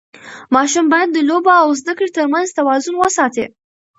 ماشوم باید د لوبو او زده کړې ترمنځ توازن وساتي.